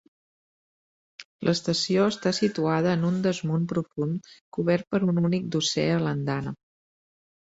L'estació està situada en un desmunt profund cobert per un únic dosser a l'andana.